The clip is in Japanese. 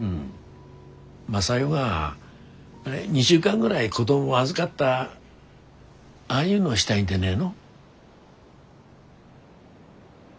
雅代が２週間ぐらい子供を預がったああいうのがしたいんでねえの？